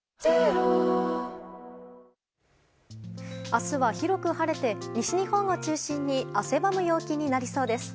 明日は広く晴れて西日本を中心に汗ばむ陽気になりそうです。